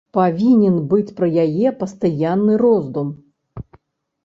Павінен быць пра яе пастаянны роздум.